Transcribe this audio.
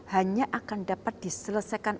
hanya akan dapat diselesaikan